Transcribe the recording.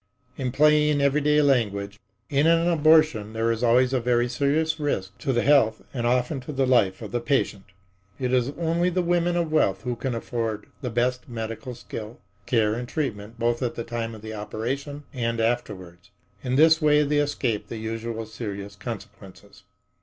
In plain, everyday language, in an abortion there is always a very serious risk to the health and often to the life of the patient.It is only the women of wealth who can afford the best medical skill, care and treatment both at the time of the operation and afterwards. In this way they escape the usual serious consequences.